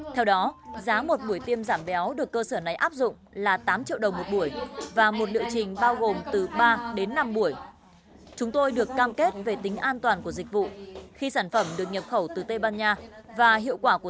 theo đó giá một buổi tiêm giảm béo được cơ sở đểlifesense có thể giảm bởi giao tạo của bộ truyền thông và dịch vụ